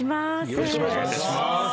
よろしくお願いします。